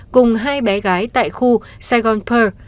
cùng hai bé gái tại khu sài gòn pearl